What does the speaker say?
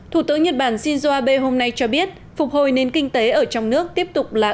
thủ tướng nhật bản shinzo abe hôm nay cho biết phục hồi nền kinh tế ở trong nước tiếp tục là